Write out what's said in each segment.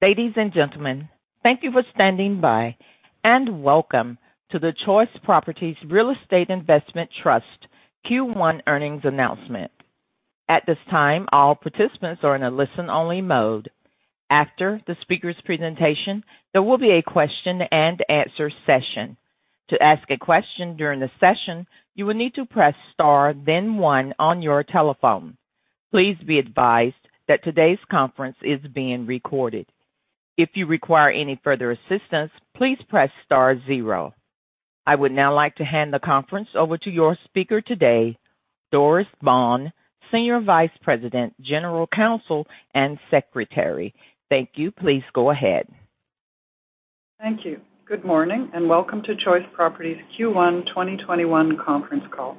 Ladies and gentlemen, thank you for standing by, and welcome to the Choice Properties Real Estate Investment Trust Q1 earnings announcement. At this time, all participants are in a listen-only mode. After the speaker's presentation, there will be a question and answer session. To ask a question during the session, you will need to press star then one on your telephone. Please be advised that today's conference is being recorded. If you require any further assistance, please press star zero. I would now like to hand the conference over to your speaker today, Simone Cole, SVP, General Counsel, and Secretary. Thank you. Please go ahead. Thank you. Good morning, and welcome to Choice Properties Q1 2021 conference call.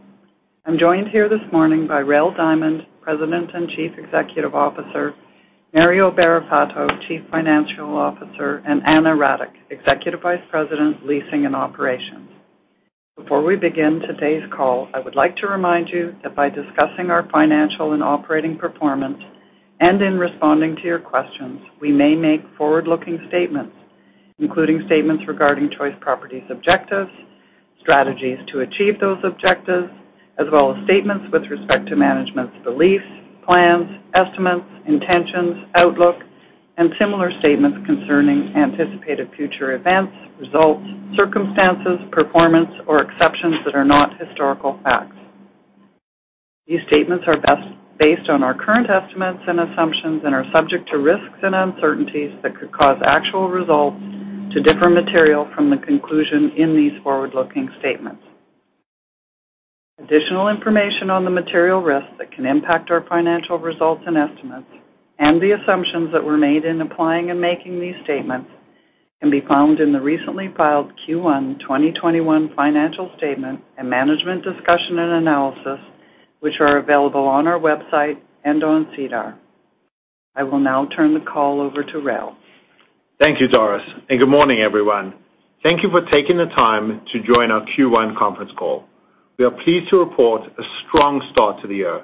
I'm joined here this morning by Rael Diamond, President and CEO, Mario Barrafato, CFO, and Annalisa Oligo, EVP, Leasing and Operations. Before we begin today's call, I would like to remind you that by discussing our financial and operating performance, and in responding to your questions, we may make forward-looking statements, including statements regarding Choice Properties objectives, strategies to achieve those objectives, as well as statements with respect to management's beliefs, plans, estimates, intentions, outlook, and similar statements concerning anticipated future events, results, circumstances, performance, or exceptions that are not historical facts. These statements are based on our current estimates and assumptions and are subject to risks and uncertainties that could cause actual results to differ material from the conclusion in these forward-looking statements. Additional information on the material risks that can impact our financial results and estimates and the assumptions that were made in applying and making these statements can be found in the recently filed Q1 2021 financial statement and management discussion and analysis, which are available on our website and on SEDAR. I will now turn the call over to Rael. Thank you, Simone, good morning, everyone. Thank you for taking the time to join our Q1 conference call. We are pleased to report a strong start to the year.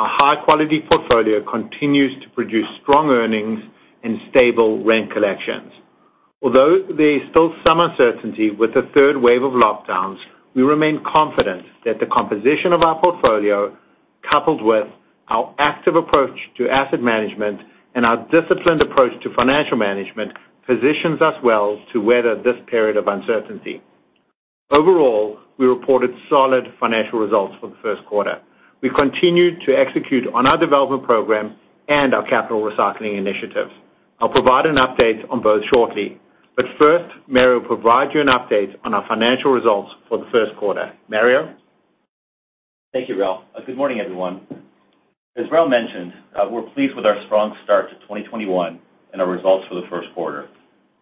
Our high-quality portfolio continues to produce strong earnings and stable rent collections. Although there is still some uncertainty with the third wave of lockdowns, we remain confident that the composition of our portfolio, coupled with our active approach to asset management and our disciplined approach to financial management, positions us well to weather this period of uncertainty. Overall, we reported solid financial results for the first quarter. We've continued to execute on our development program and our capital recycling initiatives. I'll provide an update on both shortly, first, Mario will provide you an update on our financial results for the first quarter. Mario. Thank you, Rael. Good morning, everyone. As Rael mentioned, we're pleased with our strong start to 2021 and our results for the first quarter.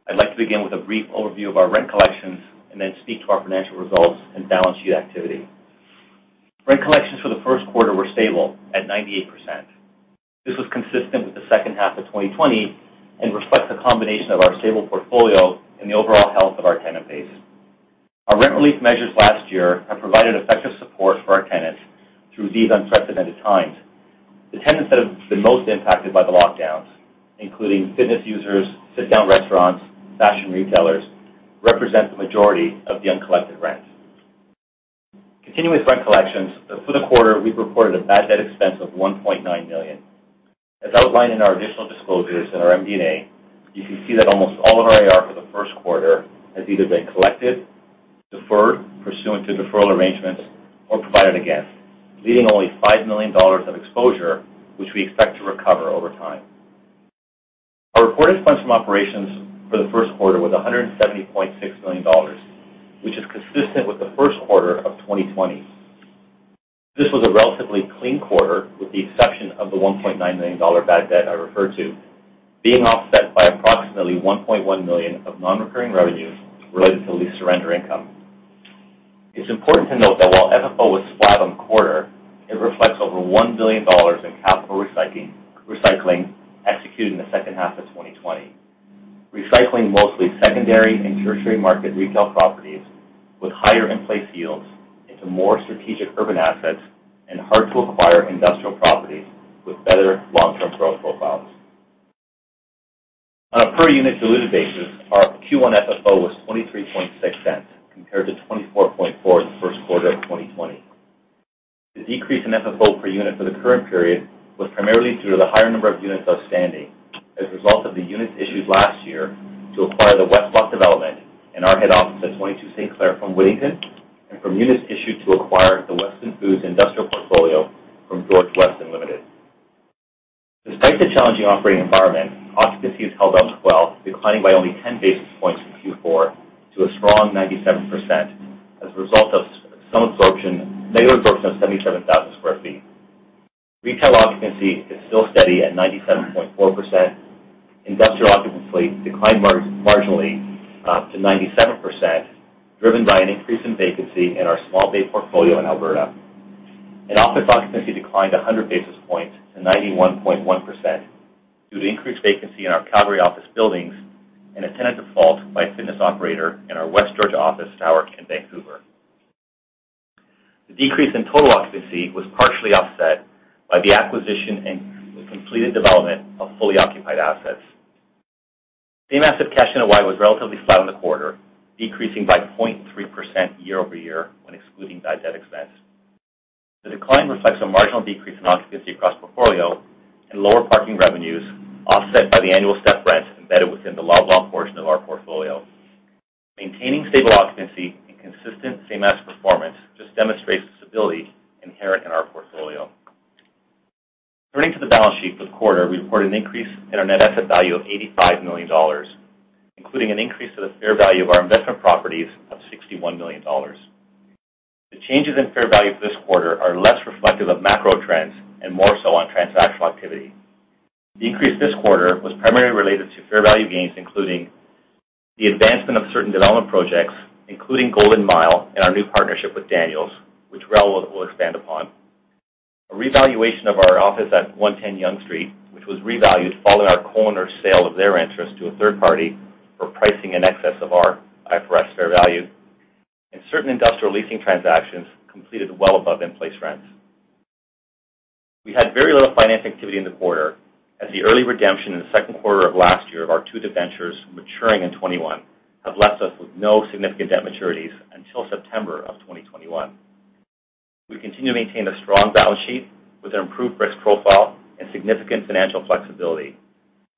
I'd like to begin with a brief overview of our rent collections and then speak to our financial results and balance sheet activity. Rent collections for the Q1 were stable at 98%. This was consistent with the second half of 2020 and reflects a combination of our stable portfolio and the overall health of our tenant base. Our rent relief measures last year have provided effective support for our tenants through these unprecedented times. The tenants that have been most impacted by the lockdowns, including fitness users, sit-down restaurants, fashion retailers, represent the majority of the uncollected rent. Continuing with rent collections, for the quarter, we've reported a bad debt expense of 1.9 million. As outlined in our additional disclosures in our MD&A, you can see that almost all of our AR for the Q1 has either been collected, deferred pursuant to deferral arrangements, or provided against, leaving only 5 million dollars of exposure, which we expect to recover over time. Our reported funds from operations for the Q1 was 170.6 million dollars, which is consistent with the Q1 of 2020. This was a relatively clean quarter, with the exception of the 1.9 million dollar bad debt I referred to, being offset by approximately 1.1 million of non-recurring revenue related to lease surrender income. It's important to note that while FFO was flat on quarter, it reflects over 1 billion dollars in capital recycling executed in the second half of 2020. Recycling mostly secondary and tertiary market retail properties with higher in-place yields into more strategic urban assets and hard-to-acquire industrial properties with better long-term growth profiles. On a per-unit diluted basis, our Q1 FFO was 0.236 compared to 0.244 the Q1 of 2020. The decrease in FFO per unit for the current period was primarily due to the higher number of units outstanding as a result of the units issued last year to acquire the West Block development in our head office at 22 St. Clair from Wittington, and from units issued to acquire the Weston Foods industrial portfolio from George Weston Limited. Despite the challenging operating environment, occupancy has held up well, declining by only 10 basis points in Q4 to a strong 97%, as a result of some absorption, negative absorption of 77,000 sq ft. Retail occupancy is still steady at 97.4%. Industrial occupancy declined marginally to 97%, driven by an increase in vacancy in our small bay portfolio in Alberta. Office occupancy declined 100 basis points to 91.1% due to increased vacancy in our Calgary office buildings and a tenant default by a fitness operator in our West Georgia office tower in Vancouver. The decrease in total occupancy was partially offset by the acquisition and the completed development of fully occupied assets. Same asset cash NOI was relatively flat on the quarter, decreasing by 0.3% year-over-year when excluding bad debt expense. The decline reflects a marginal decrease in occupancy across portfolio and lower parking revenues, offset by the annual step rents embedded within the Loblaw portion of our portfolio. Maintaining stable occupancy and consistent same asset performance just demonstrates the stability inherent in our portfolio. Turning to the balance sheet for the quarter, we report an increase in our net asset value of 85 million dollars, including an increase to the fair value of our investment properties of 61 million dollars. The changes in fair value for this quarter are less reflective of macro trends and more so on transactional activity. The increase this quarter was primarily related to fair value gains, including the advancement of certain development projects, including Golden Mile and our new partnership with Daniels, which Rael will expand upon. A revaluation of our office at 110 Yonge Street, which was revalued following our co-owner's sale of their interest to a third party for pricing in excess of our IFRS fair value, and certain industrial leasing transactions completed well above in-place rents. We had very little finance activity in the quarter as the early redemption in the second quarter of last year of our two debentures maturing in 2021 have left us with no significant debt maturities until September of 2021. We continue to maintain a strong balance sheet with an improved risk profile and significant financial flexibility.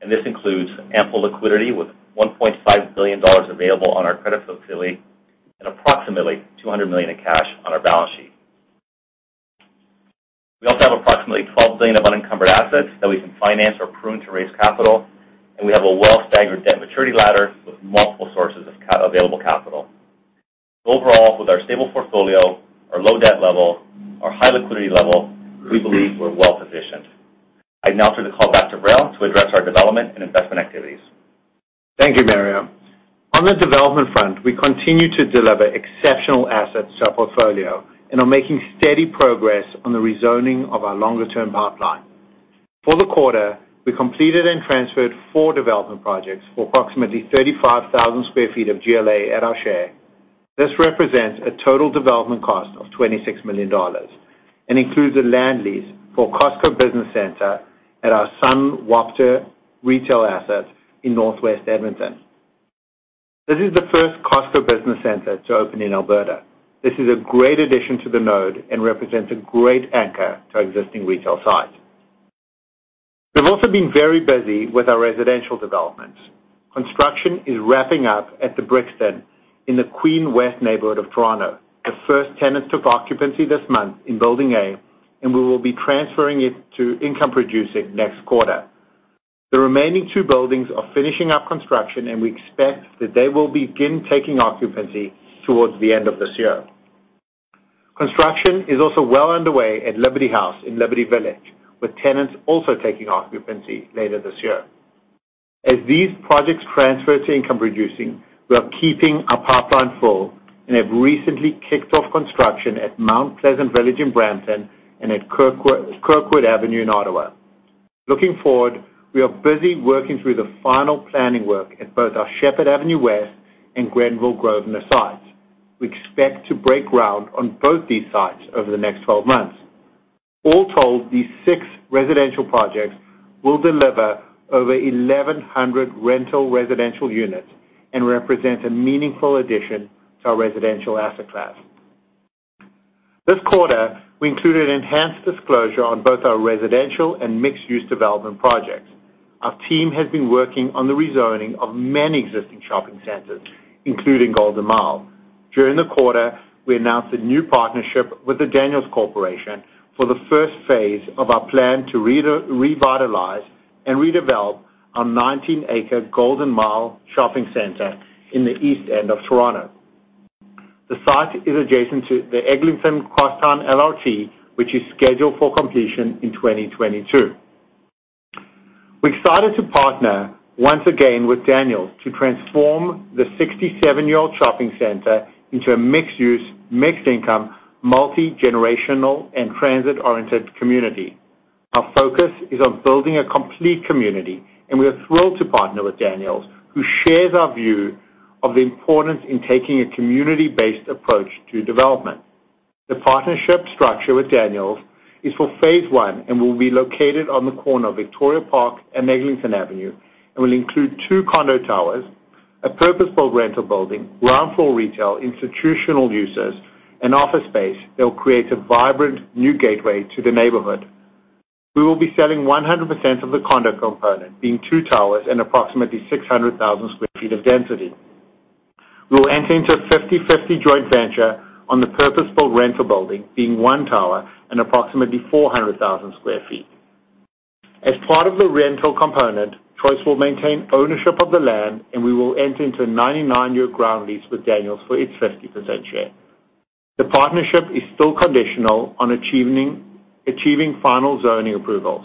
This includes ample liquidity with 1.5 billion dollars available on our credit facility and approximately 200 million in cash on our balance sheet. We also have approximately 12 billion of unencumbered assets that we can finance or prune to raise capital. We have a well-staggered debt maturity ladder with multiple sources of available capital. Overall, with our stable portfolio, our low debt level, our high liquidity level, we believe we're well-positioned. I now turn the call back to Rael to address our development and investment activities. Thank you, Mario. On the development front, we continue to deliver exceptional assets to our portfolio and are making steady progress on the rezoning of our longer-term pipeline. For the quarter, we completed and transferred four development projects for approximately 35,000 sq ft of GLA at our share. This represents a total development cost of 26 million dollars and includes a land lease for a Costco business center at our Sunwapta retail asset in Northwest Edmonton. This is the first Costco business center to open in Alberta. This is a great addition to the node and represents a great anchor to our existing retail site. We've also been very busy with our residential developments. Construction is wrapping up at the Brixton in the Queen West neighborhood of Toronto. The first tenants took occupancy this month in Building A, and we will be transferring it to income-producing next quarter. The remaining two buildings are finishing up construction, and we expect that they will begin taking occupancy towards the end of this year. Construction is also well underway at Liberty House in Liberty Village, with tenants also taking occupancy later this year. As these projects transfer to income-producing, we are keeping our pipeline full and have recently kicked off construction at Mount Pleasant Village in Brampton and at Kirkwood Avenue in Ottawa. Looking forward, we are busy working through the final planning work at both our Sheppard Avenue West and Grenville Grove sites. We expect to break ground on both these sites over the next 12 months. All told, these six residential projects will deliver over 1,100 rental residential units and represent a meaningful addition to our residential asset class. This quarter, we included enhanced disclosure on both our residential and mixed-use development projects. Our team has been working on the rezoning of many existing shopping centers, including Golden Mile. During the quarter, we announced a new partnership with The Daniels Corporation for the first phase of our plan to revitalize and redevelop our 19-acre Golden Mile shopping center in the East End of Toronto. The site is adjacent to the Eglinton Crosstown LRT, which is scheduled for completion in 2022. We've started to partner once again with Daniels to transform the 67-year-old shopping center into a mixed-use, mixed-income, multi-generational, and transit-oriented community. Our focus is on building a complete community, and we are thrilled to partner with Daniels, who shares our view of the importance in taking a community-based approach to development. The partnership structure with Daniels is for phase one and will be located on the corner of Victoria Park and Eglinton Avenue and will include two condo towers, a purpose-built rental building, ground floor retail, institutional uses, and office space that will create a vibrant new gateway to the neighborhood. We will be selling 100% of the condo component, being two towers and approximately 600,000 sq ft of density. We will enter into a 50/50 joint venture on the purpose-built rental building, being one tower and approximately 400,000 sq ft. As part of the rental component, Choice will maintain ownership of the land, and we will enter into a 99-year ground lease with Daniels for its 50% share. The partnership is still conditional on achieving final zoning approvals.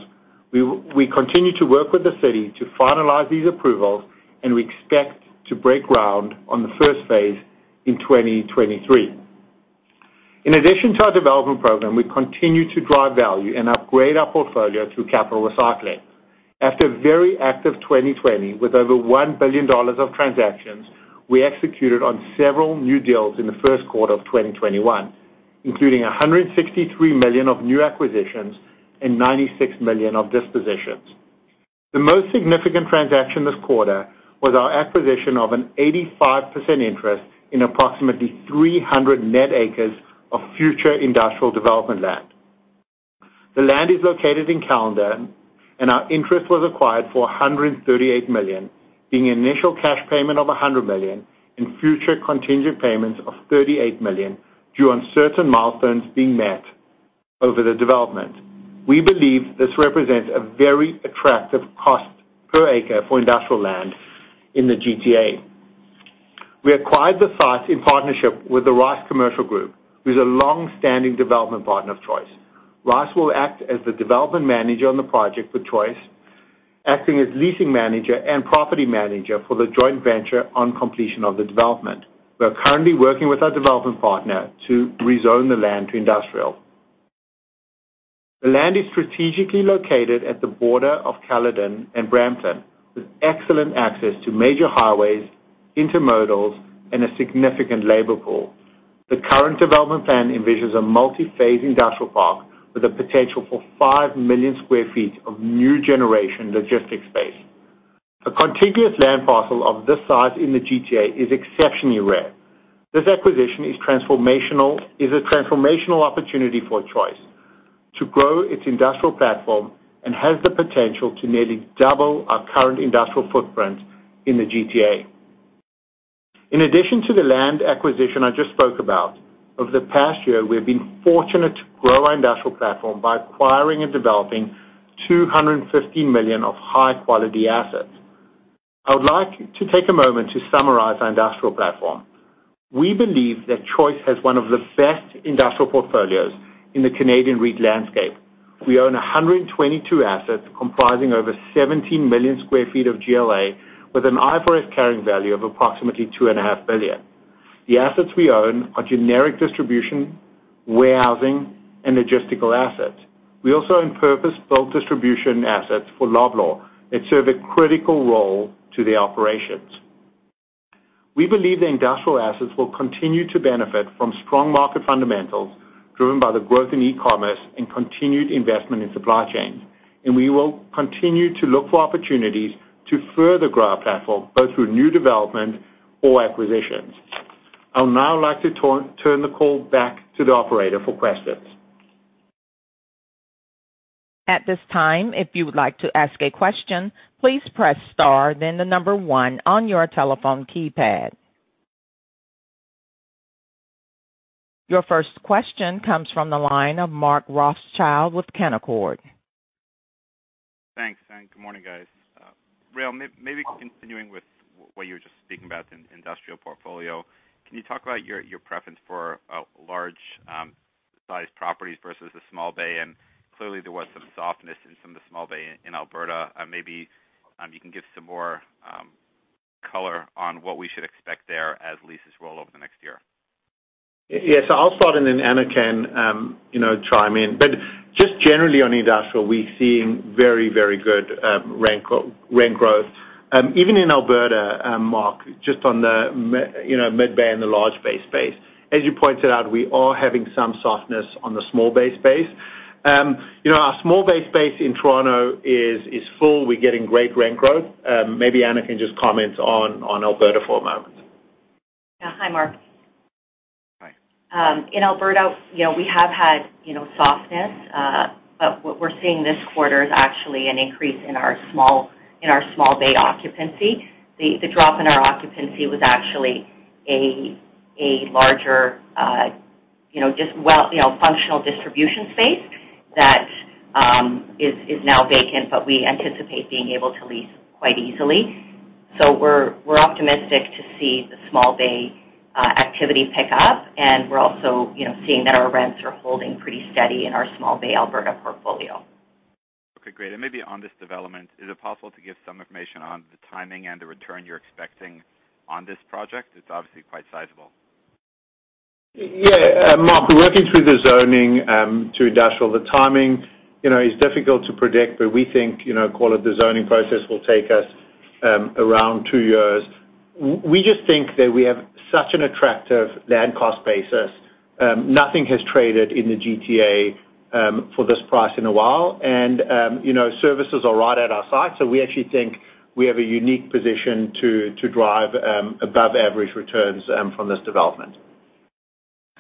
We continue to work with the city to finalize these approvals. We expect to break ground on the first phase in 2023. In addition to our development program, we continue to drive value and upgrade our portfolio through capital recycling. After a very active 2020, with over 1 billion dollars of transactions, we executed on several new deals in Q1 2021, including 163 million of new acquisitions and 96 million of dispositions. The most significant transaction this quarter was our acquisition of an 85% interest in approximately 300 net acres of future industrial development land. The land is located in Caledon, and our interest was acquired for 138 million, being an initial cash payment of 100 million and future contingent payments of 38 million due on certain milestones being met over the development. We believe this represents a very attractive cost per acre for industrial land in the GTA. We acquired the site in partnership with the Rice Group, who's a long-standing development partner of Choice. Rice Group will act as the development manager on the project for Choice, acting as leasing manager and property manager for the joint venture on completion of the development. We are currently working with our development partner to rezone the land to industrial. The land is strategically located at the border of Caledon and Brampton, with excellent access to major highways, intermodals, and a significant labor pool. The current development plan envisions a multi-phase industrial park with the potential for 5 million square feet of new generation logistics space. A contiguous land parcel of this size in the GTA is exceptionally rare. This acquisition is a transformational opportunity for Choice to grow its industrial platform and has the potential to nearly double our current industrial footprint in the GTA. In addition to the land acquisition I just spoke about, over the past year, we've been fortunate to grow our industrial platform by acquiring and developing 250 million of high-quality assets. I would like to take a moment to summarize our industrial platform. We believe that Choice has one of the best industrial portfolios in the Canadian REIT landscape. We own 122 assets comprising over 17 million sq ft of GLA, with an IFRS carrying value of approximately two and a half billion. The assets we own are generic distribution, warehousing, and logistical assets. We also own purpose-built distribution assets for Loblaw that serve a critical role to the operations. We believe the industrial assets will continue to benefit from strong market fundamentals driven by the growth in e-commerce and continued investment in supply chains, and we will continue to look for opportunities to further grow our platform, both through new development or acquisitions. I'll now like to turn the call back to the operator for questions. Your first question comes from the line of Mark Rothschild with Canaccord. Thanks, good morning, guys. Rael, maybe continuing with what you were just speaking about in industrial portfolio, can you talk about your preference for large size properties versus the small bay? Clearly there was some softness in some of the small bay in Alberta. Maybe you can give some more color on what we should expect there as leases roll over the next year. I'll start, and then Anna can chime in. Just generally on industrial, we're seeing very good rent growth. Even in Alberta, Mark, just on the mid bay and the large bay space. As you pointed out, we are having some softness on the small bay space. Our small bay space in Toronto is full. We're getting great rent growth. Maybe Anna can just comment on Alberta for a moment. Yeah. Hi, Mark. Hi. In Alberta, we have had softness. What we're seeing this quarter is actually an increase in our small bay occupancy. The drop in our occupancy was actually a larger, just functional distribution space that is now vacant. We anticipate being able to lease quite easily. We're optimistic to see the small bay activity pick up. We're also seeing that our rents are holding pretty steady in our small bay Alberta portfolio. Okay, great. Maybe on this development, is it possible to give some information on the timing and the return you're expecting on this project? It's obviously quite sizable. Yeah. Mark, we're working through the zoning to industrial. The timing is difficult to predict, but we think call it the zoning process will take us around two years. We just think that we have such an attractive land cost basis. Nothing has traded in the GTA for this price in a while, and services are right at our site. We actually think we have a unique position to drive above-average returns from this development. Okay.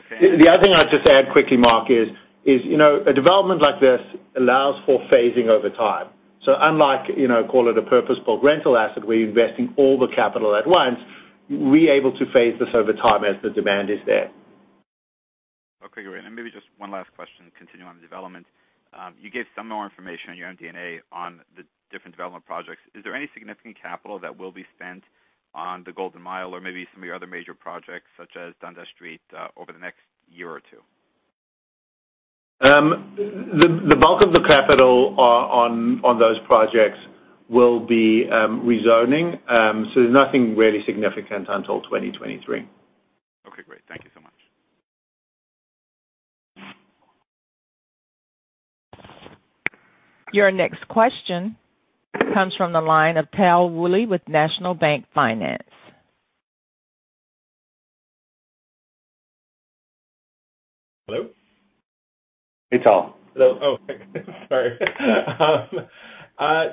The other thing I'd just add quickly, Mark, is a development like this allows for phasing over time. Unlike call it a purpose-built rental asset, where you're investing all the capital at once, we're able to phase this over time as the demand is there. Okay, great. Maybe just one last question, continuing on the development. You gave some more information on your own DNA on the different development projects. Is there any significant capital that will be spent on the Golden Mile or maybe some of your other major projects, such as Dundas Street, over the next year or two? The bulk of the capital on those projects will be rezoning. There's nothing really significant until 2023. Okay, great. Thank you so much. Your next question comes from the line of Tal Woolley with National Bank Financial. Hello? Hey, Tal. Hello. Oh, sorry.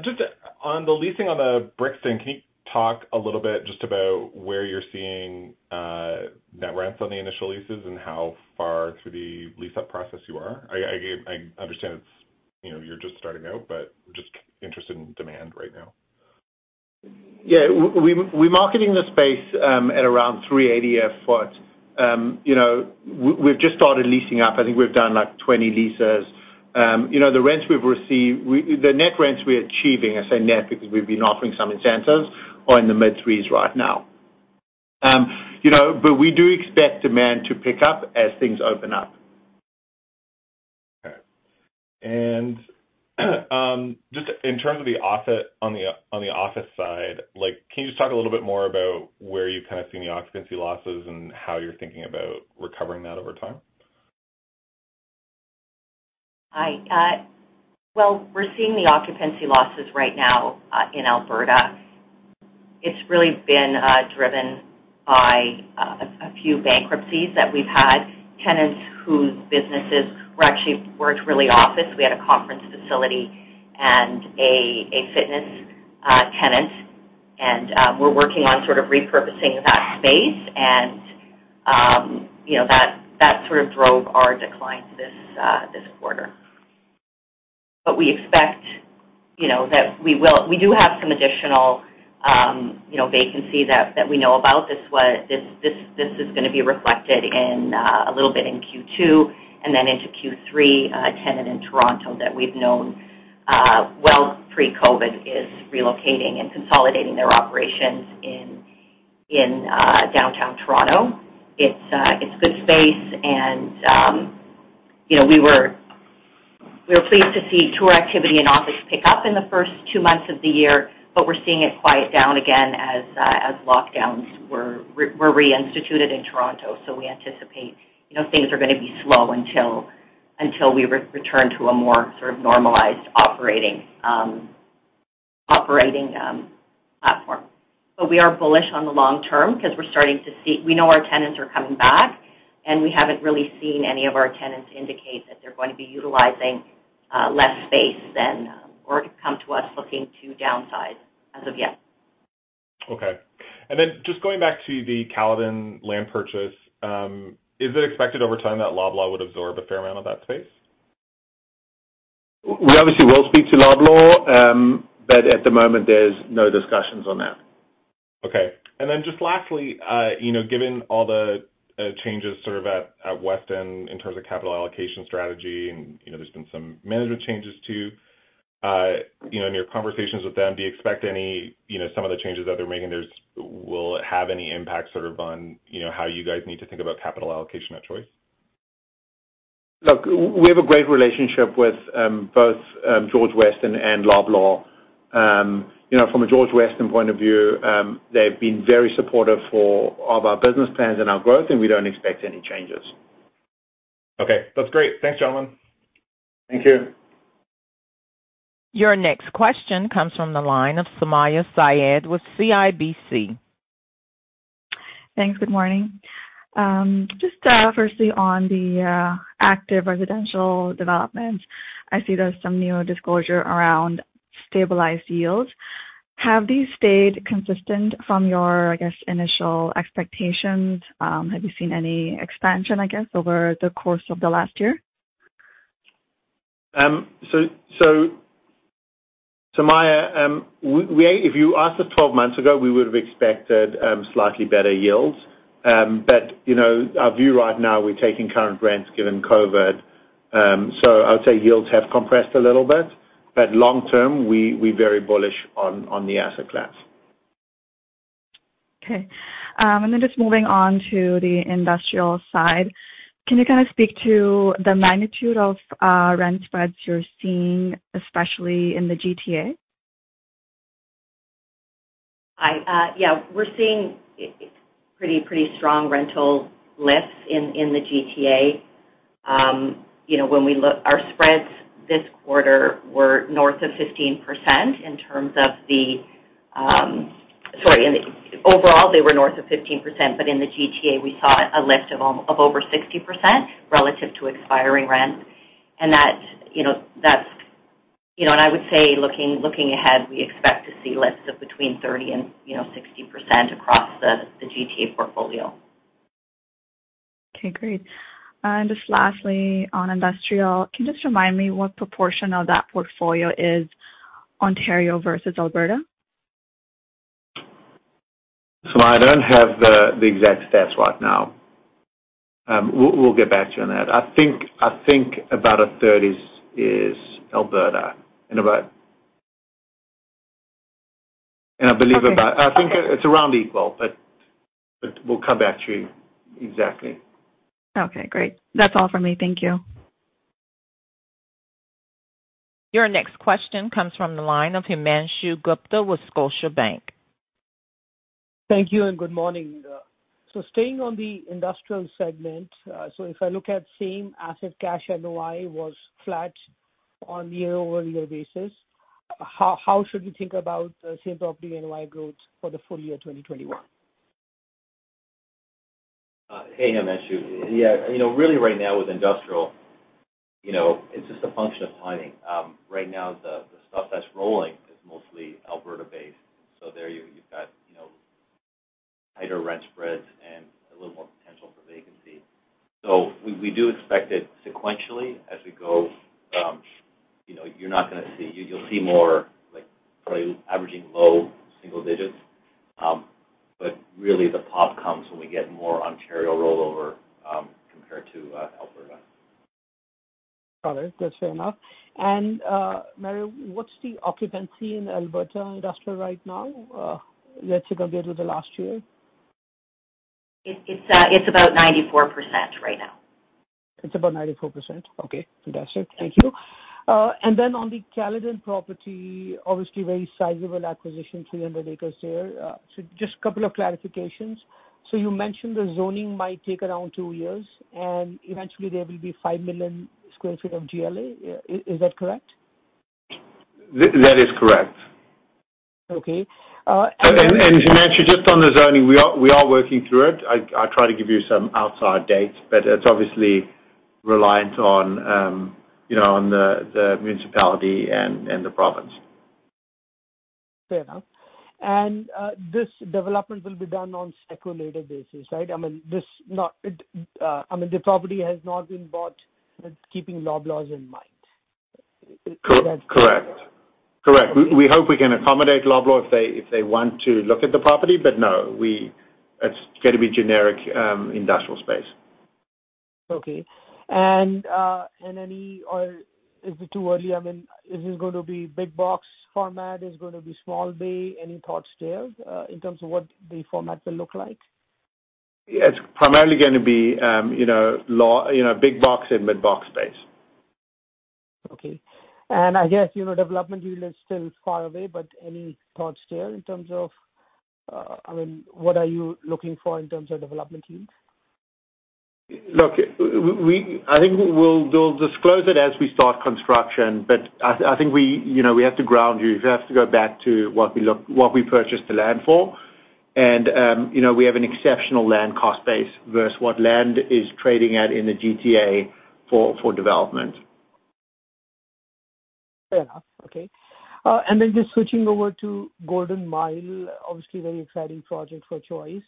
Just on the leasing on the Brixton, can you talk a little bit just about where you're seeing net rents on the initial leases and how far through the lease-up process you are? I understand you're just starting out, but just interested in demand right now. Yeah. We're marketing the space at around 380 a foot. We've just started leasing up. I think we've done, like, 20 leases. The net rents we're achieving, I say net because we've been offering some incentives, are in the mid threes right now. We do expect demand to pick up as things open up. Okay. Just in terms on the office side, can you just talk a little bit more about where you've kind of seen the occupancy losses and how you're thinking about recovering that over time? Well, we're seeing the occupancy losses right now in Alberta. It's really been driven by a few bankruptcies that we've had. Tenants whose businesses were actually weren't really office. We had a conference facility and a fitness tenant. We're working on sort of repurposing that space and that sort of drove our decline this quarter. We do have some additional vacancy that we know about. This is going to be reflected a little bit in Q2 and then into Q3. A tenant in Toronto that we've known well pre-COVID is relocating and consolidating their operations in Downtown Toronto. It's good space and we were pleased to see tour activity and office pick up in the first two months of the year, we're seeing it quiet down again as lockdowns were reinstituted in Toronto. We anticipate things are going to be slow until we return to a more sort of normalized operating platform. We are bullish on the long term because we know our tenants are coming back, and we haven't really seen any of our tenants indicate that they're going to be utilizing less space or come to us looking to downsize as of yet. Okay. Just going back to the Caledon land purchase, is it expected over time that Loblaw would absorb a fair amount of that space? We obviously will speak to Loblaw, but at the moment, there's no discussions on that. Okay. Just lastly, given all the changes sort of at George Weston Limited in terms of capital allocation strategy and there's been some management changes, too. In your conversations with them, do you expect some of the changes that they're making will have any impact sort of on how you guys need to think about capital allocation at Choice Properties? We have a great relationship with both George Weston and Loblaw. From a George Weston point of view, they've been very supportive of our business plans and our growth, and we don't expect any changes. Okay. That's great. Thanks, gentlemen. Thank you. Your next question comes from the line of Sumayya Syed with CIBC. Thanks. Good morning. Just firstly on the active residential developments, I see there's some new disclosure around stabilized yields. Have these stayed consistent from your, I guess, initial expectations? Have you seen any expansion, I guess, over the course of the last year? Sumayya, if you asked us 12 months ago, we would've expected slightly better yields. Our view right now, we're taking current rents given COVID. I would say yields have compressed a little bit. Long term, we're very bullish on the asset class. Okay. Just moving on to the industrial side. Can you kind of speak to the magnitude of rent spreads you're seeing, especially in the GTA? Yeah. We're seeing pretty strong rental lifts in the GTA. Our spreads this quarter were north of 15% in terms of Sorry. Overall, they were north of 15%. In the GTA, we saw a lift of over 60% relative to expiring rents. I would say, looking ahead, we expect to see lifts of between 30% and 60% across the GTA portfolio. Okay, great. Just lastly, on industrial. Can you just remind me what proportion of that portfolio is Ontario versus Alberta? Sumayya, I don't have the exact stats right now. We'll get back to you on that. I think about a third is Alberta. I believe about, I think it's around equal, but we'll come back to you exactly. Okay, great. That's all for me. Thank you. Your next question comes from the line of Himanshu Gupta with Scotiabank. Thank you and good morning. Staying on the industrial segment, if I look at same asset cash NOI was flat on year-over-year basis. How should we think about same property NOI growth for the full year 2021? Hey, Himanshu. Yeah. Really right now with industrial, it's just a function of timing. Right now, the stuff that's rolling is mostly Alberta based. There you've got tighter rent spreads and a little more potential for vacancy. We do expect it sequentially as we go. You'll see more probably averaging low single digits. Really the pop comes when we get more Ontario rollover, compared to Alberta. Got it. That's fair enough. Mary, what's the occupancy in Alberta industrial right now, let's say compared to the last year? It's about 94% right now. It's about 94%? Okay, fantastic. Thank you. On the Caledon property, obviously very sizable acquisition, 300 acres there. Just a couple of clarifications. You mentioned the zoning might take around two years, and eventually there will be five million square feet of GLA. Is that correct? That is correct. Okay. Himanshu, just on the zoning, we are working through it. I'd try to give you some outside dates, but it's obviously reliant on the municipality and the province. Fair enough. This development will be done on speculative basis, right? I mean, the property has not been bought with keeping Loblaw in mind. Is that correct? Correct. We hope we can accommodate Loblaw if they want to look at the property. No, it's going to be generic industrial space. Okay. Is it too early, I mean, is this going to be big box format? Is it going to be small bay? Any thoughts there, in terms of what the format will look like? It's primarily going to be big box and mid box space. Okay. I guess, development yield is still far away, but any thoughts there in terms of what are you looking for in terms of development yields? Look, I think we'll disclose it as we start construction. I think we have to ground you. We have to go back to what we purchased the land for. We have an exceptional land cost base versus what land is trading at in the GTA for development. Fair enough. Okay. Just switching over to Golden Mile, obviously very exciting project for Choice.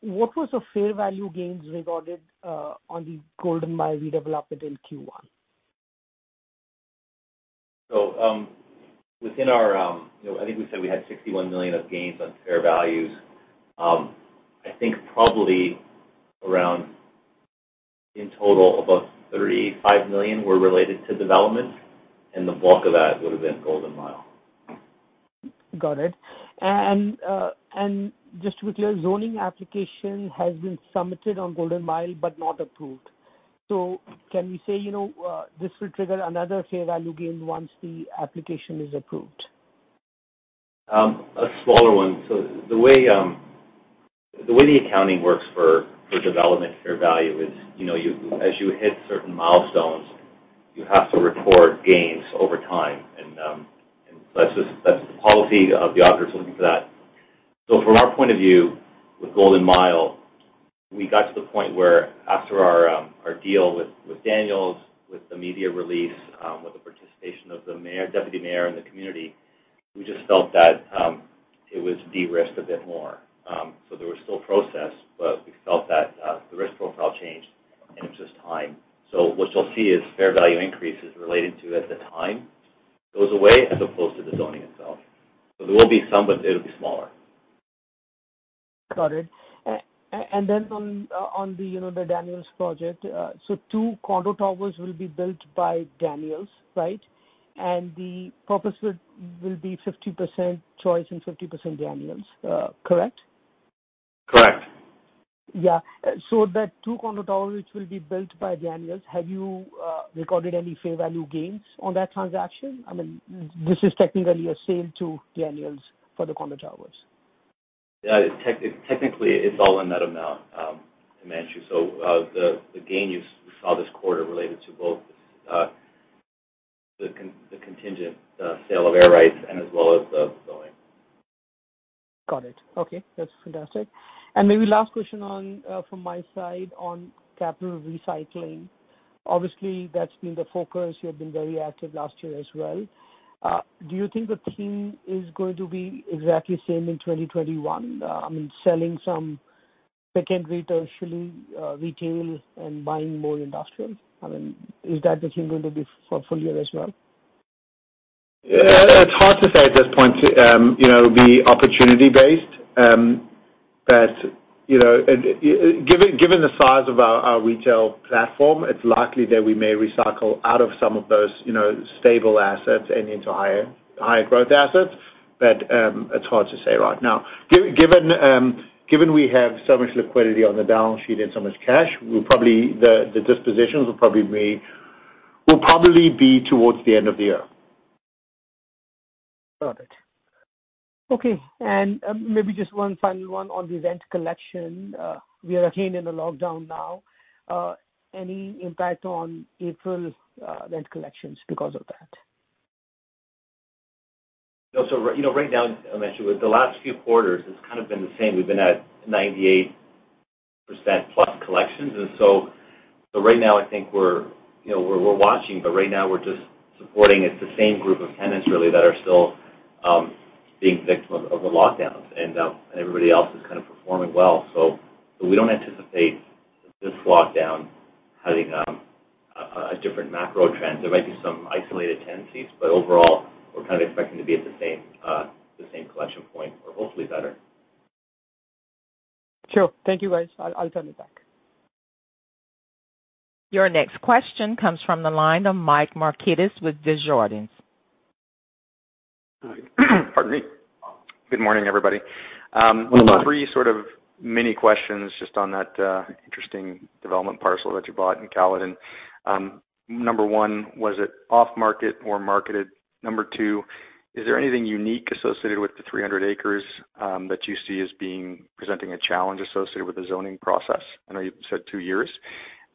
What was the fair value gains recorded on the Golden Mile redevelopment in Q1? I think we said we had 61 million of gains on fair values. I think probably around in total, about 35 million were related to development, and the bulk of that would have been Golden Mile. Got it. Just to be clear, zoning application has been submitted on Golden Mile but not approved. Can we say, this will trigger another fair value gain once the application is approved? A smaller one. The way the accounting works for development fair value is as you hit certain milestones, you have to record gains over time. That's just the policy of the auditors looking for that. From our point of view with Golden Mile, we got to the point where after our deal with The Daniels Corporation, with the media release, with the participation of the deputy mayor and the community, we just felt that it was de-risked a bit more. There was still process, but we felt that the risk profile changed, and it was just time. What you'll see is fair value increases related to as the time goes away as opposed to the zoning itself. There will be some, but it'll be smaller. Got it. On the Daniels project. Two condo towers will be built by Daniels, right? The profits will be 50% Choice and 50% Daniels. Correct? Correct. Yeah. The two condo towers which will be built by Daniels, have you recorded any fair value gains on that transaction? I mean, this is technically a sale to Daniels for the condo towers. Yeah, technically, it's all in that amount, Himanshu. The gain you saw this quarter related to both the contingent sale of air rights and as well as the zoning. Got it. Okay. That's fantastic. Maybe last question from my side on capital recycling. Obviously, that's been the focus. You have been very active last year as well. Do you think the theme is going to be exactly same in 2021? I mean, selling some second retail and buying more industrial. I mean, is that the theme going to be for full year as well? It's hard to say at this point. It'll be opportunity based. Given the size of our retail platform, it's likely that we may recycle out of some of those stable assets and into higher growth assets. It's hard to say right now. Given we have so much liquidity on the balance sheet and so much cash, the dispositions will probably be towards the end of the year. Got it. Okay. Maybe just one final one on the rent collection. We are again in a lockdown now. Any impact on April rent collections because of that? Right now, Himanshu Gupta, with the last few quarters, it's kind of been the same. We've been at 98%-plus collections, right now I think we're watching, right now we're just supporting. It's the same group of tenants really that are still being victim of the lockdowns, everybody else is kind of performing well. We don't anticipate this lockdown having a different macro trend. There might be some isolated tendencies, overall, we're kind of expecting to be at the same collection point or hopefully better. Sure. Thank you, guys. I'll turn it back. Your next question comes from the line of Michael Markidis with Desjardins. Pardon me. Good morning, everybody. Good morning. Three sort of mini questions just on that interesting development parcel that you bought in Caledon. Number One, was it off market or marketed? Number Two, is there anything unique associated with the 300 acres, that you see as presenting a challenge associated with the zoning process? I know you said two years.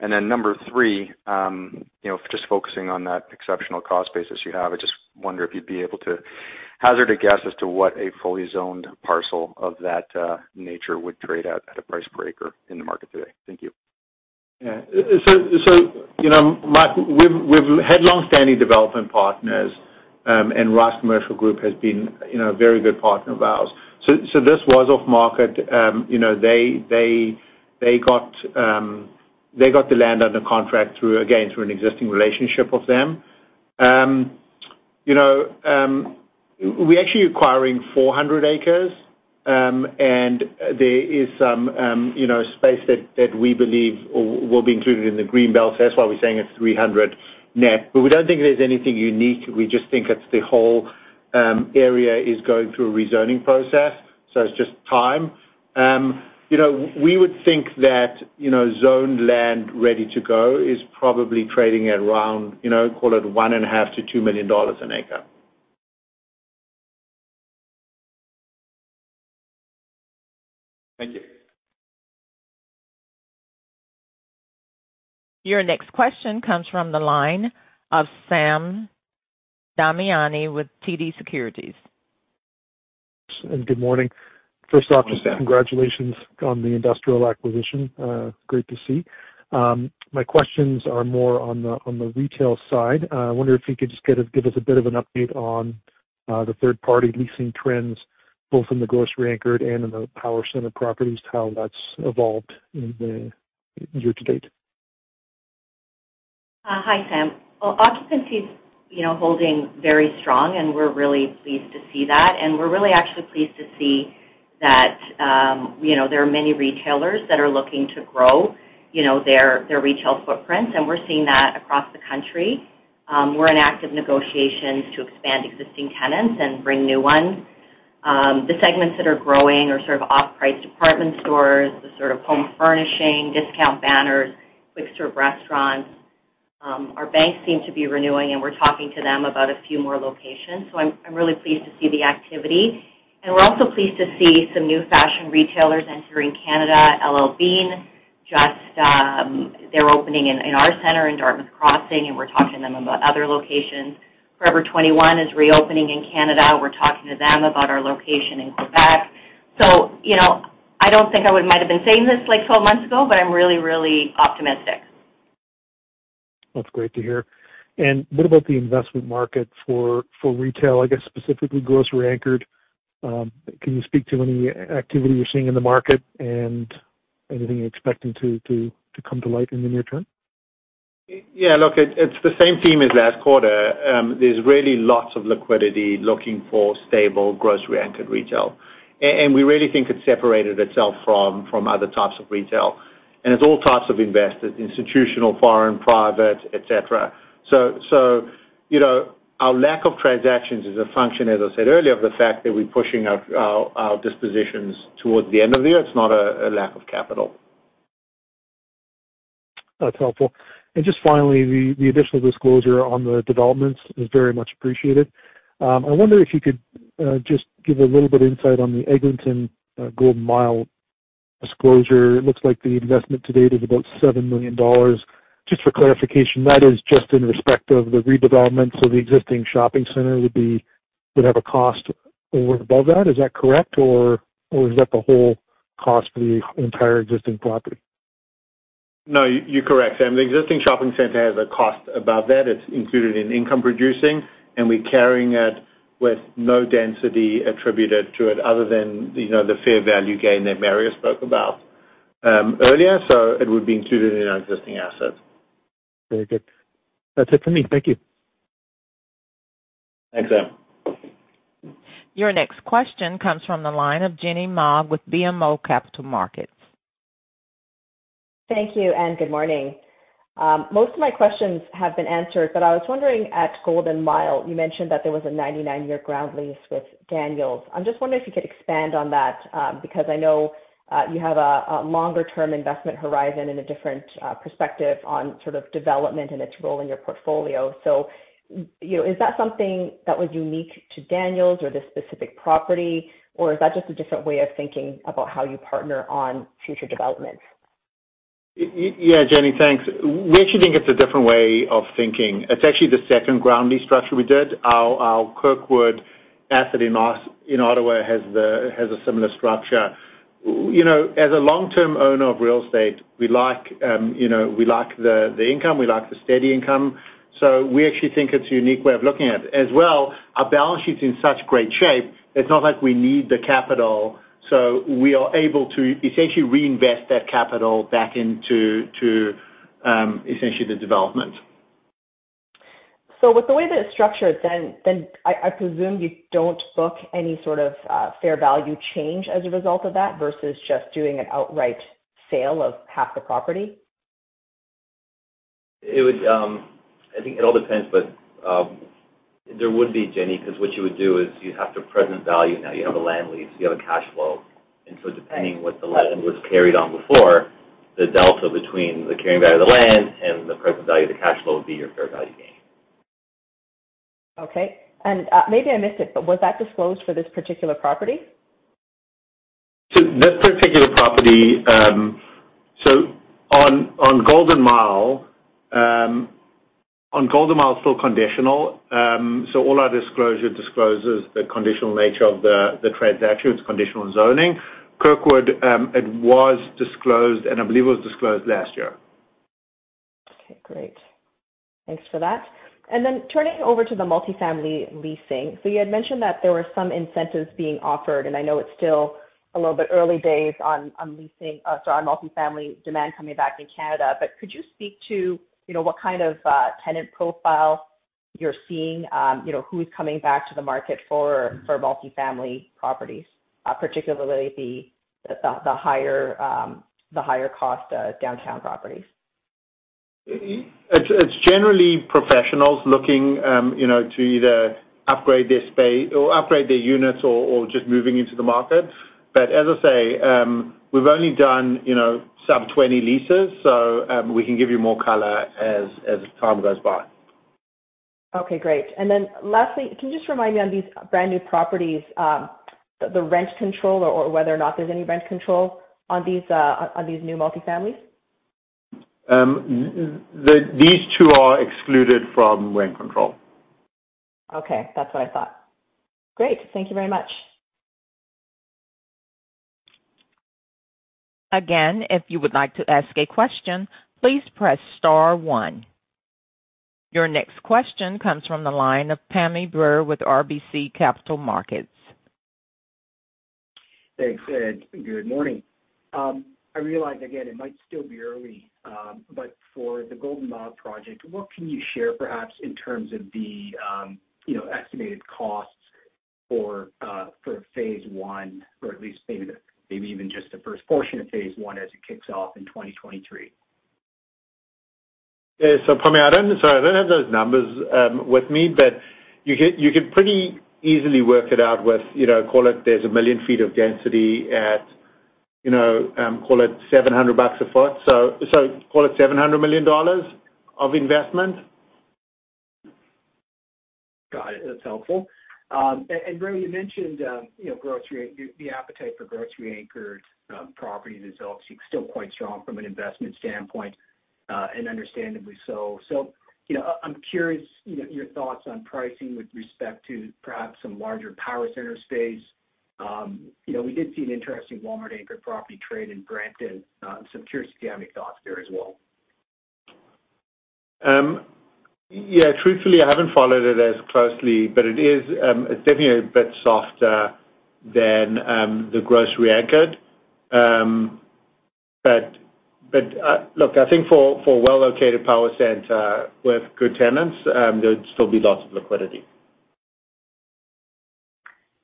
Number Three, just focusing on that exceptional cost basis you have, I just wonder if you'd be able to hazard a guess as to what a fully zoned parcel of that nature would trade at a price per acre in the market today. Thank you. Yeah. Mike, we've had longstanding development partners, and Ross Commercial Group has been a very good partner of ours. This was off market. They got the land under contract, again, through an existing relationship of them. We're actually acquiring 400 acres, and there is some space that we believe will be included in the Greenbelt, that's why we're saying it's 300 net. We don't think there's anything unique. We just think it's the whole area is going through a rezoning process, it's just time. We would think that zoned land ready to go is probably trading at around, call it 1.5 million-2 million dollars an acre. Thank you. Your next question comes from the line of Sam Damiani with TD Securities. Good morning. Good morning, Sam. Congratulations on the industrial acquisition. Great to see. My questions are more on the retail side. I wonder if you could just give us a bit of an update on the third-party leasing trends, both in the grocery anchored and in the power center properties, how that's evolved in the year to date. Hi, Sam. Occupancy's holding very strong, and we're really pleased to see that. We're really actually pleased to see that there are many retailers that are looking to grow their retail footprint, and we're seeing that across the country. We're in active negotiations to expand existing tenants and bring new ones. The segments that are growing are sort of off-price department stores, the sort of home furnishing, discount banners, quick serve restaurants. Our banks seem to be renewing, and we're talking to them about a few more locations. I'm really pleased to see the activity. We're also pleased to see some new fashion retailers entering Canada. L.L.Bean, they're opening in our center in Dartmouth Crossing, and we're talking to them about other locations. Forever 21 is reopening in Canada. We're talking to them about our location in Quebec. I don't think I might've been saying this like 12 months ago, but I'm really, really optimistic. That's great to hear. What about the investment market for retail, I guess, specifically grocery anchored? Can you speak to any activity you're seeing in the market and anything you're expecting to come to light in the near term? Yeah, look, it's the same theme as last quarter. There's really lots of liquidity looking for stable grocery anchored retail. We really think it's separated itself from other types of retail, and it's all types of investors, institutional, foreign, private, et cetera. Our lack of transactions is a function, as I said earlier, of the fact that we're pushing our dispositions towards the end of the year. It's not a lack of capital. That's helpful. Just finally, the additional disclosure on the developments is very much appreciated. I wonder if you could just give a little bit of insight on the Eglinton Golden Mile disclosure. It looks like the investment to date is about 7 million dollars. Just for clarification, that is just in respect of the redevelopment, so the existing shopping center would have a cost over and above that. Is that correct, or is that the whole cost for the entire existing property? No, you're correct, Sam. The existing shopping center has a cost above that. It's included in income producing, and we're carrying it with no density attributed to it other than the fair value gain that Mario Barrafato spoke about earlier. It would be included in our existing assets. Very good. That's it for me. Thank you. Thanks, Sam. Your next question comes from the line of Jenny Ma with BMO Capital Markets. Thank you, and good morning. Most of my questions have been answered. I was wondering at Golden Mile, you mentioned that there was a 99-year ground lease with Daniels. I'm just wondering if you could expand on that, because I know you have a longer-term investment horizon and a different perspective on sort of development and its role in your portfolio. Is that something that was unique to Daniels or this specific property, or is that just a different way of thinking about how you partner on future developments? Yeah, Jenny, thanks. We actually think it's a different way of thinking. It's actually the second ground lease structure we did. Our Kirkwood asset in Ottawa has a similar structure. As a long-term owner of real estate, we like the income. We like the steady income. We actually think it's a unique way of looking at it. As well, our balance sheet's in such great shape, it's not like we need the capital, so we are able to essentially reinvest that capital back into essentially the development. With the way that it's structured, I presume you don't book any sort of fair value change as a result of that, versus just doing an outright sale of half the property? I think it all depends, but there would be, Jenny, because what you would do is you have the present value. Now you have a land lease, you have a cash flow. Depending what the land was carried on before, the delta between the carrying value of the land and the present value of the cash flow would be your fair value gain. Okay. Maybe I missed it, but was that disclosed for this particular property? This particular property, on Golden Mile, it's still conditional. All our disclosure discloses the conditional nature of the transaction. It's conditional zoning. Kirkwood, it was disclosed, and I believe it was disclosed last year. Okay, great. Thanks for that. Turning over to the multifamily leasing. You had mentioned that there were some incentives being offered, and I know it's still a little bit early days on multifamily demand coming back in Canada. Could you speak to what kind of tenant profile you're seeing, who's coming back to the market for multifamily properties, particularly the higher cost downtown properties? It's generally professionals looking to either upgrade their units or just moving into the market. As I say, we've only done sub 20 leases, so we can give you more color as time goes by. Okay, great. Lastly, can you just remind me on these brand-new properties the rent control or whether or not there's any rent control on these new multifamilies? These two are excluded from rent control. Okay. That's what I thought. Great. Thank you very much. Again, if you would like to ask a question, please press star one. Your next question comes from the line of Pammi Bir with RBC Capital Markets. Thanks, Ed. Good morning. I realize again, it might still be early. For the Golden Mile project, what can you share perhaps in terms of the estimated costs for phase one or at least maybe even just the first portion of phase one as it kicks off in 2023? Pammi, sorry, I don't have those numbers with me, but you could pretty easily work it out with call it there's a million feet of density at call it 700 bucks a foot, call it 700 million dollars of investment. Got it. That's helpful. Rael, you mentioned the appetite for grocery anchored properties is still quite strong from an investment standpoint, and understandably so. I'm curious your thoughts on pricing with respect to perhaps some larger power center space. We did see an interesting Walmart anchored property trade in Brampton, I'm curious to get your thoughts there as well. Yeah, truthfully, I haven't followed it as closely, but it is definitely a bit softer than the grocery anchored. Look, I think for a well-located power center with good tenants, there'd still be lots of liquidity. Got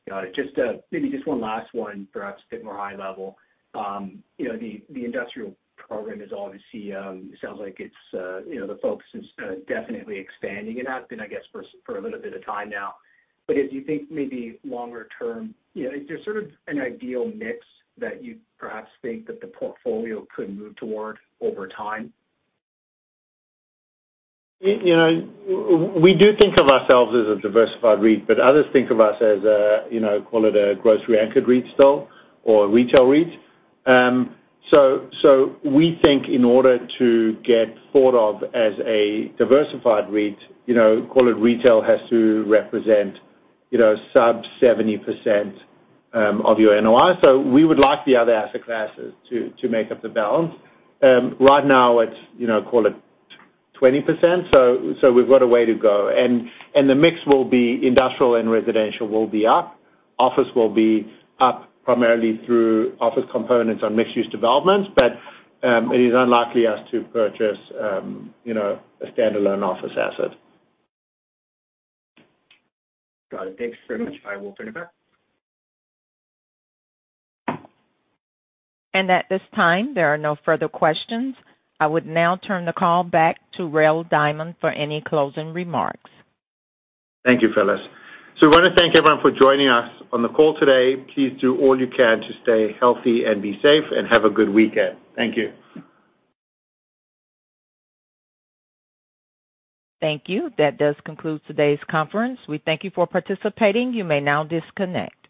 it. Maybe just one last one, perhaps a bit more high level. The industrial program obviously sounds like the focus is definitely expanding, and has been, I guess, for a little bit of time now. As you think maybe longer term, is there sort of an ideal mix that you perhaps think that the portfolio could move toward over time? We do think of ourselves as a diversified REIT, others think of us as call it a grocery anchored REIT still or a retail REIT. We think in order to get thought of as a diversified REIT, call it retail has to represent sub 70% of your NOI. We would like the other asset classes to make up the balance. Right now it's call it 20%, we've got a way to go. The mix will be industrial and residential will be up. Office will be up primarily through office components on mixed-use developments. It is unlikely as to purchase a standalone office asset. Got it. Thanks very much. I will turn it back. At this time, there are no further questions. I would now turn the call back to Rael Diamond for any closing remarks. Thank you, Phyllis. We want to thank everyone for joining us on the call today. Please do all you can to stay healthy and be safe, and have a good weekend. Thank you. Thank you. That does conclude today's conference. We thank you for participating. You may now disconnect.